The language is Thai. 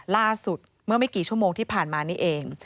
ล่าสุดเมื่อไม่กี่ชั่วโมงที่ผ่านมานี่เอง